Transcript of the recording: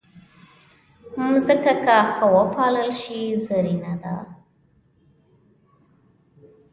مځکه که ښه وپالل شي، زرینه ده.